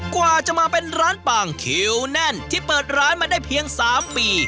กว่าจะมาเป็นร้านปังคิวแน่นที่เปิดร้านมาได้เพียง๓ปี